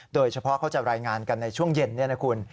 โดยเฉพาะเขาจะรายงานกันในช่วงเย็น